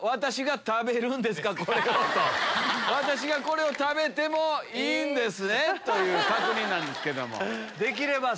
「私がこれを食べてもいいんですね」という確認です。